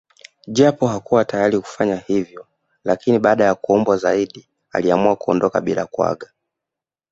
Japo hakuwa tayari kufanya hivyo lakini baada ya kuombwa zaidi aliamua kuondoka bila kuaga